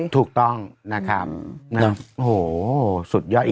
ถูกต้องสุดยอด